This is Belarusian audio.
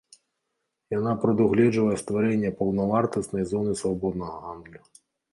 Яна прадугледжвае стварэнне паўнавартаснай зоны свабоднага гандлю.